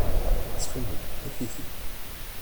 Ttxil-m, af-it-id.